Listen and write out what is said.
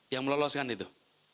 yang meloloskan itu